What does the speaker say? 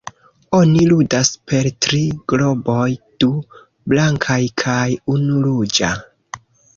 Oni ludas per tri globoj: du blankaj kaj unu ruĝa.